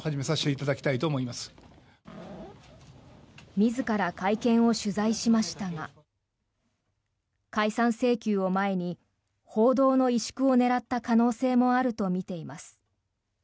自ら会見を取材しましたが解散請求を前に報道の萎縮を狙った可能性もあるとみています。